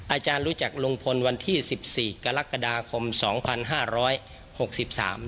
อาจารย์รู้จักลุงพลวันที่สิบสี่กรกฎาคมสองพันห้าร้อยหกสิบสาม